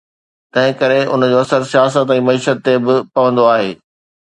تنهن ڪري ان جو اثر سياست ۽ معيشت تي به پوندو آهي.